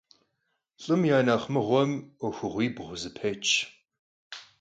Lh'ım ya nexh mığuem 'uexuğuibğu zepêç.